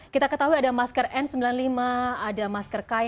kita ketahui ada masker n sembilan puluh lima ada masker kain kemudian ada masker operasi